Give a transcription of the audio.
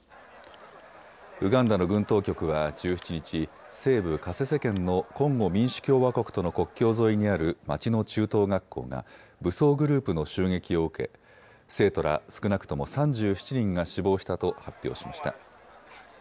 ウガンダの軍当局は１７日、西部カセセ県のコンゴ民主共和国との国境沿いにある町の中等学校が武装グループの襲撃を受け生徒ら少なくとも３７人が死亡したと発表しました。